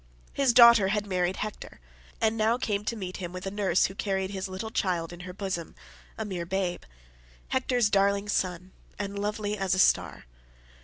His daughter had married Hector, and now came to meet him with a nurse who carried his little child in her bosom—a mere babe. Hector's darling son, and lovely as a star.